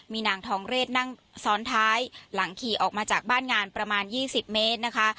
มีนางทองเรศนั่งซ้อนท้ายหลังขี่ออกมาจากบ้านงานประมาณ๒๐เมตรนะคะ